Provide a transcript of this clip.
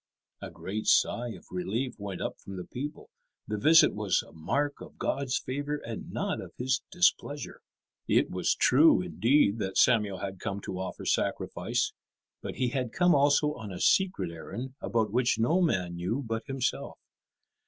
A great sigh of relief went up from the people. The visit was a mark of God's favour and not of His displeasure. It was true, indeed, that Samuel had come to offer sacrifice, but he had come also on a secret errand about which no man knew but himself.